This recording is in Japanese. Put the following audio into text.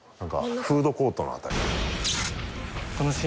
フードコートの辺り。